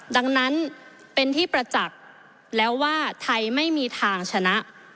ดังนั้นเป็นที่ประจักษ์แล้วว่าไทยไม่มีทางชนะ